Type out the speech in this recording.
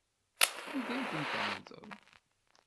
Anda ay ten-tɛebdeḍ?